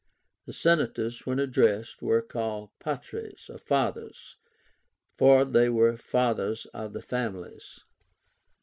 The Senators, when addressed, were called PATRES, or "Fathers," for they were Fathers of the families.